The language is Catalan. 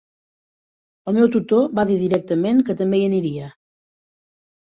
El meu tutor va dir directament que també hi aniria.